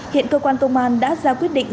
hiện cơ quan công an đã ra quyết định